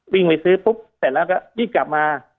วิ่งไปซื้อปุ๊บเสร็จแล้วก็ยิ่งกลับมา